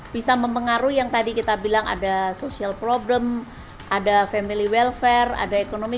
bisa mempengaruhi yang tadi kita bilang ada social problem ada family welfare ada ekonomi